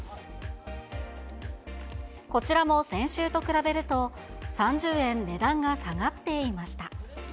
こちらも先週と比べると、３０円値段が下がっていました。